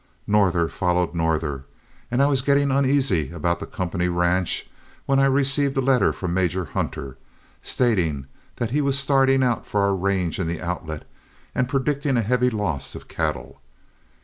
Norther followed norther, and I was getting uneasy about the company ranch, when I received a letter from Major Hunter, stating that he was starting for our range in the Outlet and predicting a heavy loss of cattle.